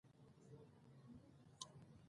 چې د وخت روسی چارواکو،